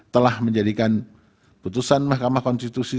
telah menjadikan putusan mahkamah konstitusi